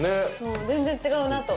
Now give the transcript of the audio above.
全然違うなと。